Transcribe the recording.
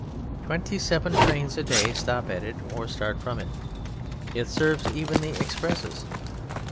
Twenty seven trains a day stop at it or start from it; it serves even the expresses.